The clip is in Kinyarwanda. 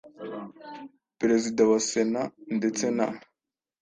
Perezida wa sena ndetse na